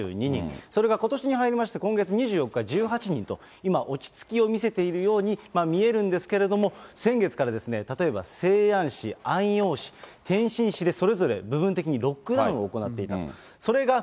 それがことしに入りまして、今月２４日１８人と、今、落ち着きを見せているように見えるんですけれども、先月から、例えば西安市、安陽市、天津市で、それぞれ部分的にロックダウンを行っていたと。